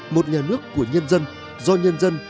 một nhà nước của nhân dân do nhân dân